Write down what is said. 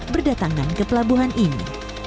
berdatangan ke pelabuhan ini